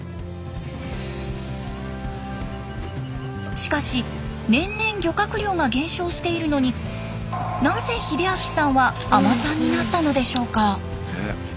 しかし年々漁獲量が減少しているのになぜ秀明さんは海人さんになったのでしょうか。